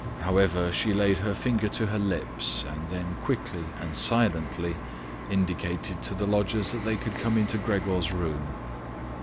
However, she laid her finger to her lips and then quickly and silently indicated to the lodgers that they could come into Gregor's room.